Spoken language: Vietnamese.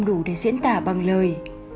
thật sự ngôn từ không đủ để diễn tả bằng lời